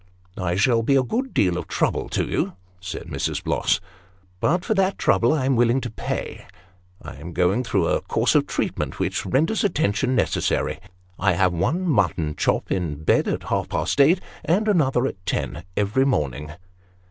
" I shall be a good deal of trouble to you," said Mrs. Bloss ;" but, for that trouble I am willing to pay. I am going through a course of treatment which renders attention necessary. I have one mutton chop in bed at half past eight, and another at ten, every morning."